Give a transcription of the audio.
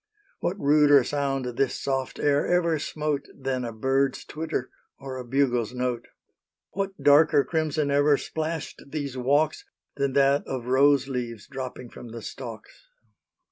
What ruder sound this soft air ever smote Than a bird's twitter or a bugle's note? What darker crimson ever splashed these walks Than that of rose leaves dropping from the stalks?